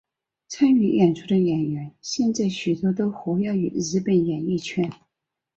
参与演出的演员现在许多都活跃于日本演艺圈。